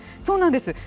そうなんです。